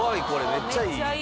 めっちゃいい！